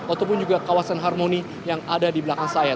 ataupun juga kawasan harmoni yang ada di belakang saya